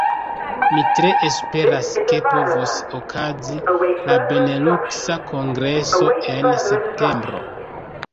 Mi tre esperas ke povos okazi la Beneluksa Kongreso en septembro.